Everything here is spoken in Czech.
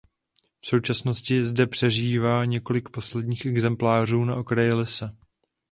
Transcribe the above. V současnosti zde přežívá několik posledních exemplářů na okraji lesa.